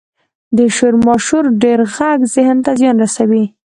• د شور ماشور ډېر ږغ ذهن ته زیان رسوي.